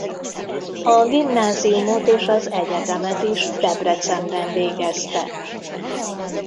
A gimnáziumot és az egyetemet is Debrecenben végezte.